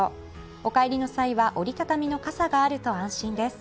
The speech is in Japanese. お帰りの際は折り畳みの傘があると安心です。